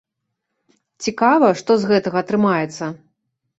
Цікава, што з гэтага атрымаецца.